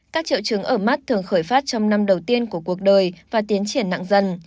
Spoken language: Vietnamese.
các triệu chứng ở mắt thường khởi phát trong năm đầu tiên của cuộc đời và tiến triển nặng dần